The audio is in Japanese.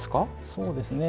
そうですね。